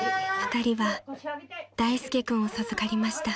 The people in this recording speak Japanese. ［２人は大介君を授かりました］